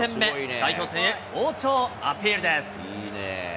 代表戦へ好調をアピールです。